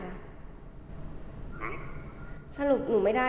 คุณพ่อได้จดหมายมาที่บ้าน